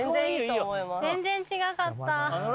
全然違かった。